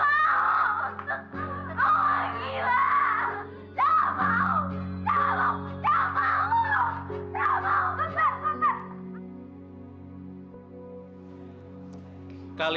bawa dia ke ruang situasi